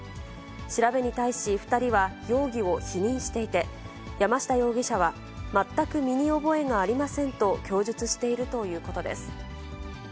調べに対し、２人は容疑を否認していて、山下容疑者は、全く身に覚えがありませんと供述しているということです。